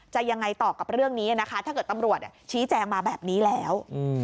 ยังไงต่อกับเรื่องนี้นะคะถ้าเกิดตำรวจชี้แจงมาแบบนี้แล้ว